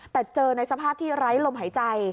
แต่เจอในสภาพที่ไร้ลมหายใจ